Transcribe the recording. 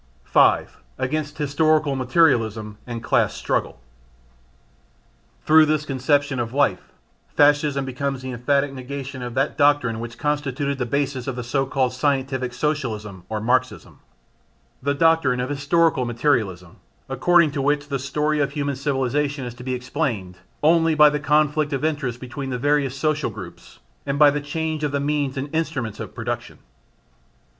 5. Against Historical Materialism and Class Struggle. Through this conception of life Fascism becomes the emphatic negation of that doctrine which constituted the basis of the so called scientific Socialism or Marxism: the doctrine of historical materialism, according to which the story of human civilisation is to be explained only by the conflict of interests between the various social groups and by the change of the means and instruments of production.